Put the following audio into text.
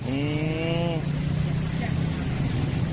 อืม